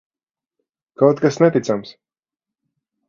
Kaut kas neticams!